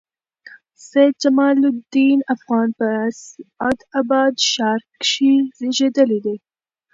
سید جمال الدین افغان په اسعداباد ښار کښي زېږېدلي دئ.